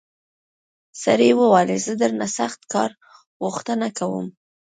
سړي وویل زه درنه د سخت کار غوښتنه نه کوم.